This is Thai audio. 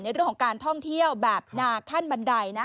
เรื่องของการท่องเที่ยวแบบนาขั้นบันได